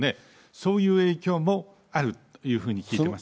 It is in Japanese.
そういう影響もあるというふうに聞いています。